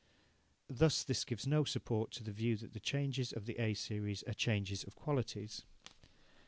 Thus this gives no support to the view that the changes of the A series are changes of qualities.